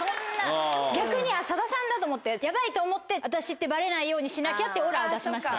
逆に佐田さんだと思ってヤバいと思って私ってバレないようにしなきゃってオーラは出しました